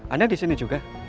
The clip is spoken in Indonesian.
anda di sini juga